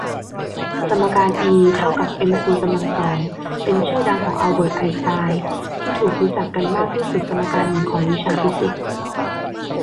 สมการอีเท่ากับเอ็มซีกำลังสองเป็นชื่อดังของอัลเบิร์ดไอน์สไตน์ที่ถูกรู้จักกันมากที่สุดสมการหนึ่งของวิชาฟิสิกส์